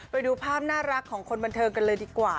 ไปดูภาพน่ารักของคนบันเทิงกันเลยดีกว่า